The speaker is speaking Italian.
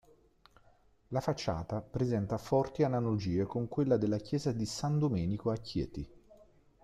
La facciata presenta forti analogie con quella della Chiesa di San Domenico a Chieti.